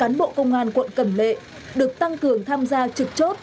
an quận cẩm lệ được tăng cường tham gia trực chốt